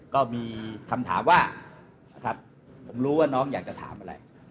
ก็มีคำถามว่านะครับผมรู้ว่าน้องอยากจะถามอะไร